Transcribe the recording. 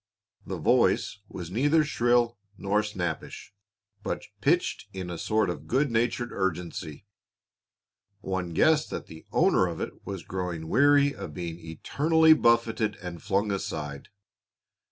The voice was neither shrill nor snappish, but pitched in a sort of good natured urgency. One guessed that the owner of it was growing weary of being eternally buffeted and flung aside.